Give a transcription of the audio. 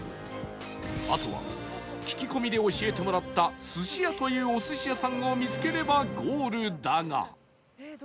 あとは聞き込みで教えてもらったスシヤというお寿司屋さんを見つければゴールだが